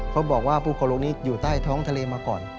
เขาบอกว่าผู้คนลงนี้อยู่ใต้ท้องทะเลมาก่อน